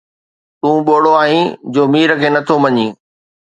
”تون ٻوڙو آهين جو مير کي نٿو مڃين